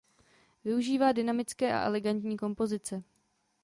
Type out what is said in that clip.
Využívá dynamické a elegantní kompozice.